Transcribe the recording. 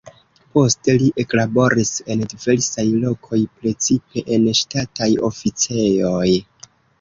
Poste li eklaboris en diversaj lokoj, precipe en ŝtataj oficejoj.